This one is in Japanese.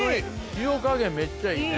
塩加減めっちゃいいね。